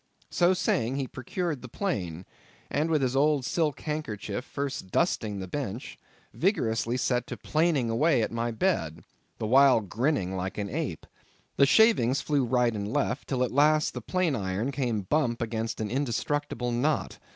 So saying he procured the plane; and with his old silk handkerchief first dusting the bench, vigorously set to planing away at my bed, the while grinning like an ape. The shavings flew right and left; till at last the plane iron came bump against an indestructible knot.